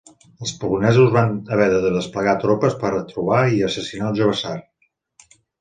Els polonesos van haver de desplegar tropes per a trobar i assassinar al jove tsar.